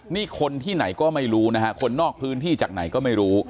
นี่คนที่ไหนก็ไม่รู้นะฮะคนนอกพื้นที่จากไหนก็ไม่รู้